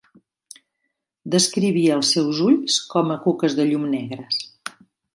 Descrivia els seus ulls com a "cuques de llum negres".